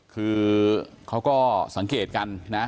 คือเขาก็สังเกตกันนะ